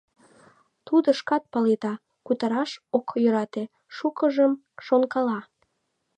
Тудо, шкат паледа, кутыраш ок йӧрате, шукыжым шонкала.